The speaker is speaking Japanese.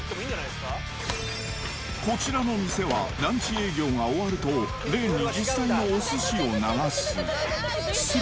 こちらの店はランチ営業が終わると、レーンに実際のお寿司を流す。